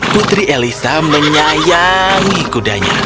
putri eliza menyayangi kuda